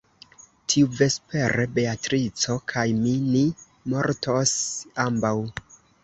Tiuvespere Beatrico kaj mi ni mortos ambaŭ.